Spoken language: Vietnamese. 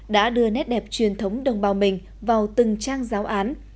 đã đưa nét đẹp truyền thống đồng bào mình vào từng trang giáo án